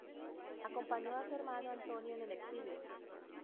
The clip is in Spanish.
Acompañó a su hermano Antonio en el exilio.